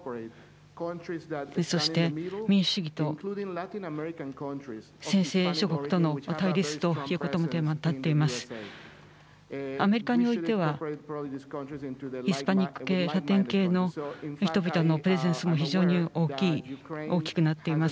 そして民主主義と専制諸国との対立ということもテーマに立っています。